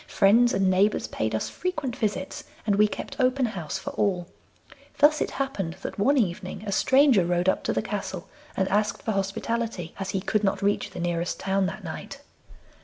Friends and neighbours paid us frequent visits, and we kept open house for all. Thus it happened that one evening a stranger rode up to the castle and asked for hospitality, as he could not reach the nearest town that night.